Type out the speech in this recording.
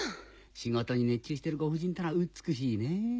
仕事に熱中してるご婦人てのは美しいねぇ。